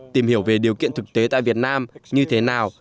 tìm hiểu về điều kiện thực tế tại việt nam như thế nào